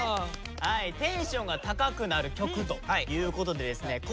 テンションが高くなる曲ということでですね